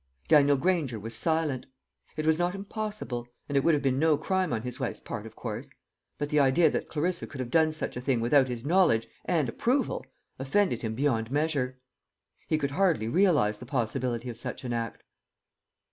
Daniel Granger was silent. It was not impossible; and it would have been no crime on his wife's part, of course. But the idea that Clarissa could have done such a thing without his knowledge and approval, offended him beyond measure. He could hardly realize the possibility of such an act.